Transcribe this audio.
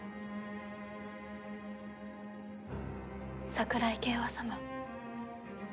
桜井景和様